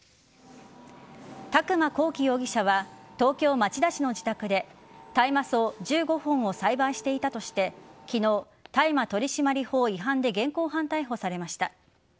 宅間孔貴容疑者は東京・町田市の自宅で大麻草１５本を栽培していたとして昨日、大麻取締法違反で現行犯逮捕されました。